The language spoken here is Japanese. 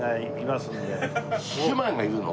姉妹がいるの？